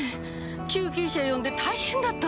救急車呼んで大変だったんですよ。